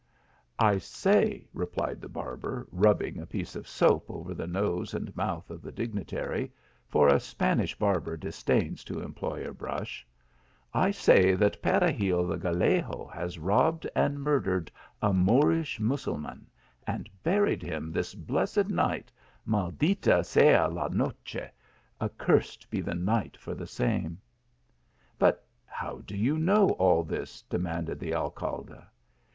" I say," replied the barber, rubbing a piece of soap over the nose and mouth of the dignitary, for a Spanish barber disdains to employ a brush ;" I say that Peregil the Gallego has robbed and mur dered a Moorish Mussulman, and buried him this blessed night, maldita sea la noche, accursed be the night for the same !"" But how do you know all this ?" demanded the Alcalde.